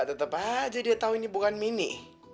tetap aja dia tahu ini bukan mini